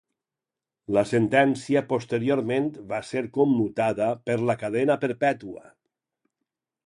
La sentència posteriorment va ser commutada per la cadena perpètua.